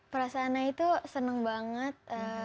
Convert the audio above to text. perasaannya itu senang banget